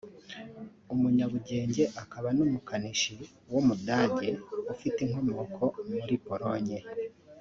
umunyabugenge akaba n’umukanishi w’umudage ufite inkomoko muri Pologne